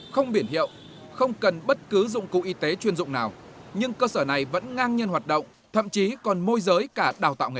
không biển hiệu không cần bất cứ dụng cụ y tế chuyên dụng nào nhưng cơ sở này vẫn ngang nhân hoạt động thậm chí còn môi giới cả đào tạo nghề